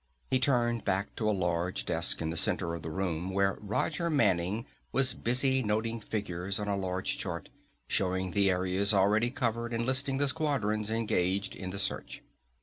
He turned back to a large desk in the center of the room where Roger Manning was busy noting figures on a large chart, showing the areas already covered and listing the squadrons engaged in the search.